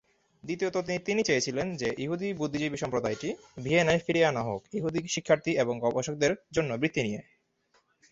দ্বিতীয়ত, তিনি চেয়েছিলেন যে ইহুদি বুদ্ধিজীবী সম্প্রদায়টি ভিয়েনায় ফিরিয়ে আনা হোক, ইহুদি শিক্ষার্থী এবং গবেষকদের জন্য বৃত্তি নিয়ে।